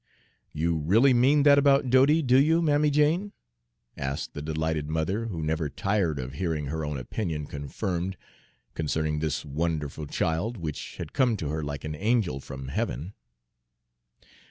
"You really mean that about Dodie, do you, Mammy Jane?" asked the delighted mother, who never tired of hearing her own opinion confirmed concerning this wonderful child, which had come to her like an angel from heaven.